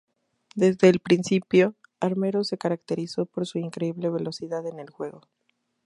Desde el principio, Armero se caracterizó por su increíble velocidad en el juego.